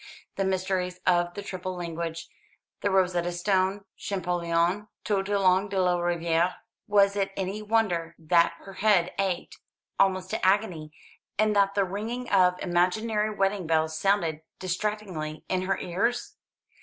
The mysteries of the triple language, the Rosetta Stone, Champollion tout le long de la rivière. Was it any wonder that her head ached almost to agony, and that the ringing of imaginary wedding bells sounded distractingly in her ears?